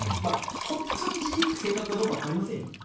本当に一字一句正確かどうかはわかりませんよ。